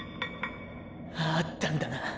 あったんだな